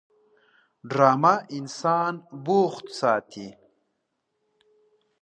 ډرامه انسان بوخت ساتي